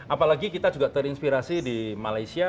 apalagi kita juga terinspirasi di malaysia